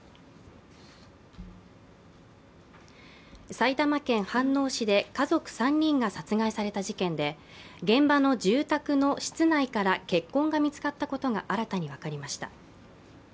埼玉県飯能市で家族３人が殺害された事件で、現場の住宅の室内から血痕が見つかったことが新たに分かりました。